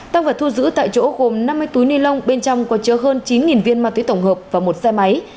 tăng vật thu giữ tại chỗ gồm năm mươi túi ni lông bên trong có chứa hơn chín viên ma túy tổng hợp và một xe máy